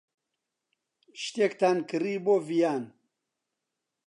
شتێکتان کڕی بۆ ڤیان.